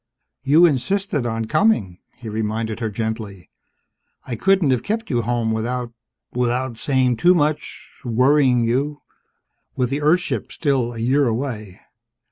"You insisted on coming," he reminded her gently. "I couldn't have kept you home without without saying too much, worrying you with the Earth ship still a year away.